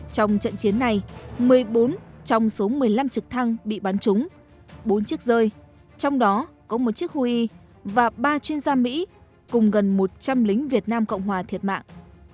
trong trận chiến này một mươi bốn trong số một mươi năm trực thăng bị bắn trúng bốn chiếc rơi trong đó có một chiếc hue và ba chuyên gia mỹ cùng gần một trăm linh lính việt nam cộng hòa thiệt mạng